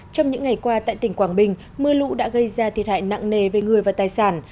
trong những ngày qua tại tỉnh quảng bình mưa lũ đã gây ra thiệt hại nặng nề về người và tài sản